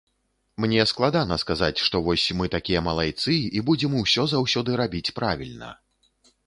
Мне складана сказаць, што вось, мы такія малайцы, і будзем усё заўсёды рабіць правільна.